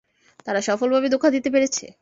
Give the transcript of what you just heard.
তারা সফলভাবে ধোঁকা দিতে পেরেছে।